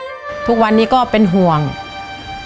ก็ยังดีว่ามีคนมาดูแลน้องเติร์ดให้